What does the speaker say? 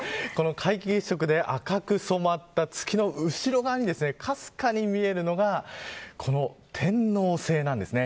皆既月食で赤く染まった月の後ろ側にかすかに見えるのが天王星なんですね。